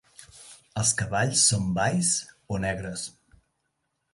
El cavalls són bais o negres.